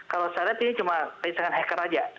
kalau saya lihat ini cuma keisengan hacker saja